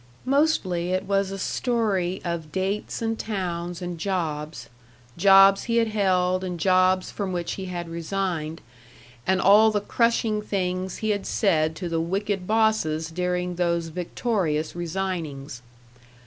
Mostly it was a story of dates and towns and jobs jobs he had held and jobs from which he had resigned, and all the crushing things he had said to the wicked bosses during those victorious resignings....